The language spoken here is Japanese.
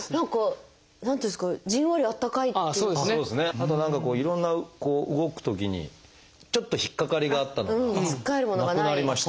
あと何かいろんな動くときにちょっと引っ掛かりがあったのがなくなりました。